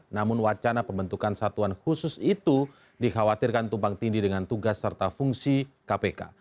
namun wacana pembentukan satuan khusus itu dikhawatirkan tumpang tindi dengan tugas serta fungsi kpk